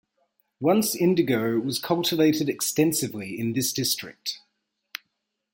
Once indigo was cultivated extensively in this district.